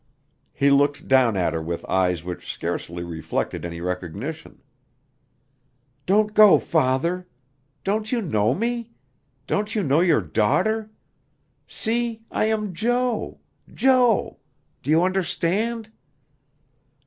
He looked down at her with eyes which scarcely reflected any recognition. "Don't go, father. Don't you know me? Don't you know your daughter? See, I am Jo Jo! Do you understand?"